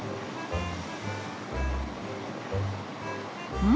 うん？